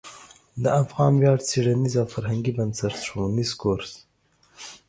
د افغان ویاړ څیړنیز او فرهنګي بنسټ ښوونیز کورس